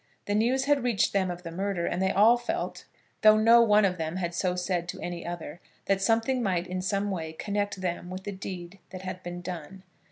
The news had reached them of the murder, and they all felt, though no one of them had so said to any other, that something might in some way connect them with the deed that had been done.